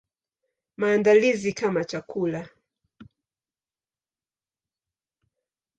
Maandalizi kama chakula.